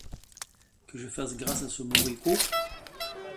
Que je fasse grâce à ce moricaud?